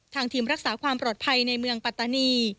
ทีมรักษาความปลอดภัยในเมืองปัตตานี